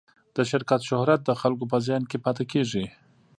د شرکت شهرت د خلکو په ذهن کې پاتې کېږي.